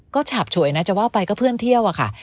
ก็ฉาบฉวยนะจะว่าไปก็เพื่อนเที่ยวอะค่ะ